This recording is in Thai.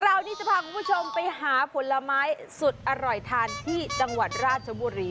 คราวนี้จะพาคุณผู้ชมไปหาผลไม้สุดอร่อยทานที่จังหวัดราชบุรี